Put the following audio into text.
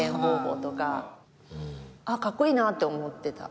かっこいいなって思ってた。